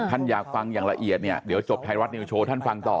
อยากฟังอย่างละเอียดเนี่ยเดี๋ยวจบไทยรัฐนิวโชว์ท่านฟังต่อ